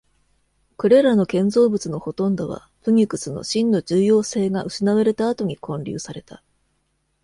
これらの建築物のほとんどは、プニュクスの真の重要性が失われた後に建立された。